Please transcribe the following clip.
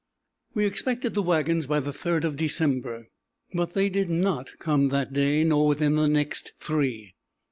We expected the wagons by the 3d of December, but they did not come that day nor within the next three.